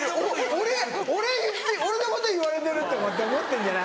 俺⁉俺のこと言われてる！」とかって思ってんじゃない？